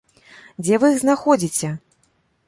Дзе вы іх знаходзіце?